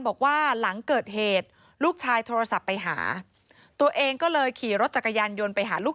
บอกว่าหลังเกิดเหตุลูกชายโทรศัพท์ไปหาตัวเองก็เลยขี่รถจักรยานยนต์ไปหาลูก